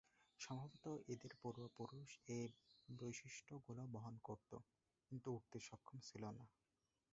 সম্ভবত এদের পূর্বপুরুষ এ বৈশিষ্ট্যগুলো বহন করত, কিন্তু উড়তে সক্ষম ছিল না।